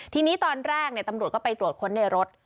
ทีนี้ตอนแรกตำรวจก็ไปตรวจค้นในรถ